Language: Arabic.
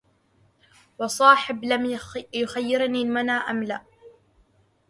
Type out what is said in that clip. وصاحب لم يخيرني المنى أملا